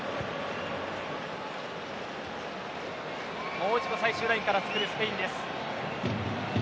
もう一度、最終ラインからつくるスペインです。